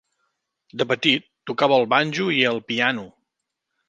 De petit, tocava el banjo i el piano.